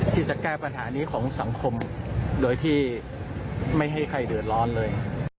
ที่จะแก้ปัญหานี้ของสังคมโดยที่ไม่ให้ใครเดือดร้อนเลย